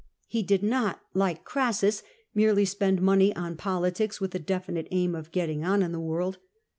He did not, like Crassus, merely spend money on politics with the definite aim of getting on in the world.